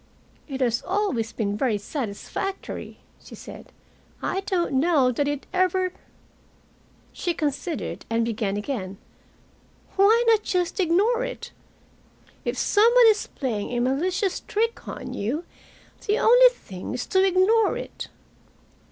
"It has always been very satisfactory," she said. "I don't know that it ever " She considered, and began again. "Why not just ignore it? If some one is playing a malicious trick on you, the only thing is to ignore it."